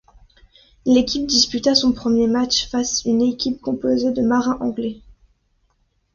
L'équipe disputa son premier match face une équipe composée de marins anglais.